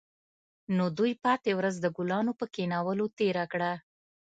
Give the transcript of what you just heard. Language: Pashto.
نو دوی پاتې ورځ د ګلانو په کینولو تیره کړه